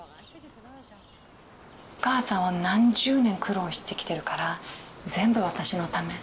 お母さんは何十年苦労してきてるから全部私のため。